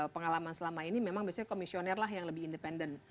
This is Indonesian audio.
pengalaman selama ini memang biasanya komisioner lah yang lebih independen